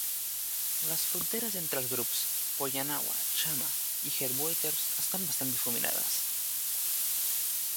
Les fronteres entre els grups Poyanawa, Chama i Headwaters estan bastant difuminades.